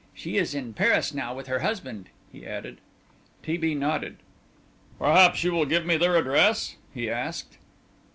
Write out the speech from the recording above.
She is in Paris now with her husband," he added. T. B. nodded. "Perhaps you will give me their address?" he asked.